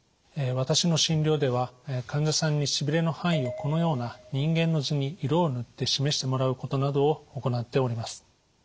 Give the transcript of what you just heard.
私の診療では患者さんにしびれの範囲をこのような人間の図に色を塗って示してもらうことなどを行っております。